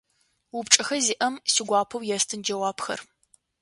Упчӏэхэ зиӏэм сигуапэу естын джэуапхэр.